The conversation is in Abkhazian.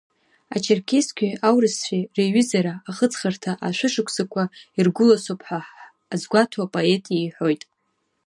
Ачерқьесқәеи аурысқәеи реиҩызара ахыҵхырҭа, ашәышықәсақәа иргәыласоуп ҳәа азгәаҭо апоет иҳәоит…